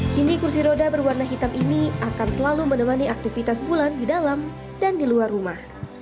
kini kursi roda berwarna hitam ini akan selalu menemani aktivitas bulan di dalam dan di luar rumah